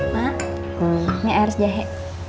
ma ini air sejahe